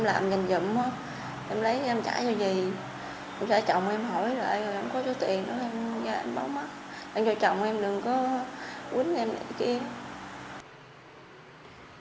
em có cho tiền đó em báo mắt em cho chồng em đừng có quýnh em lại kia